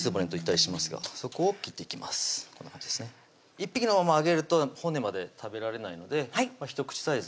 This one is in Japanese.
１匹のまま揚げると骨まで食べられないので１口サイズ